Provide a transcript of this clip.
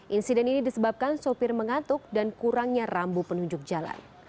insiden ini disebabkan sopir mengantuk dan kurangnya rambu penunjuk jalan